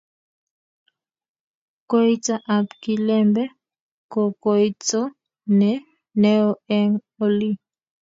Koita ab Kilembe ko koito neo eng oli.